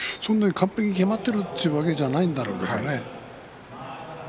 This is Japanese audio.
完璧にきまっているというわけじゃないんだろうがね。